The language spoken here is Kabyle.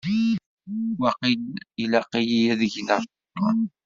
Waqil ilaq-iyi ad gneɣ ciṭuḥ.